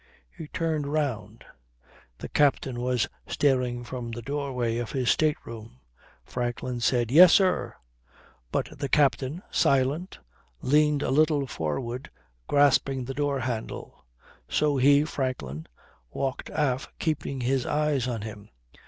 He turned round. The captain was staring from the doorway of his state room. Franklin said, "Yes, sir." But the captain, silent, leaned a little forward grasping the door handle. So he, Franklin, walked aft keeping his eyes on him.